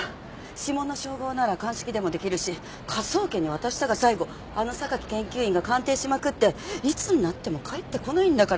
指紋の照合なら鑑識でもできるし科捜研に渡したが最後あの榊研究員が鑑定しまくっていつになっても返ってこないんだから。